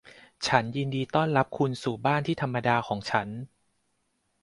ฉันยินดีต้อนรับคุณสู่บ้านที่ธรรมดาของฉัน